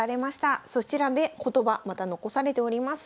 そちらで言葉また残されております。